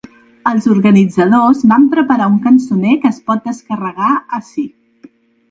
Els organitzadors van preparar un cançoner que es pot descarregar ací.